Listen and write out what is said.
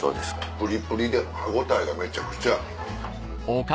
プリプリで歯応えがめちゃくちゃ。